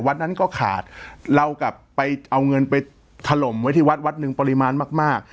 วัดนั้นก็ขาดเรากลับไปเอาเงินไปถล่มไว้ที่วัดวัดหนึ่งปริมาณมากมาก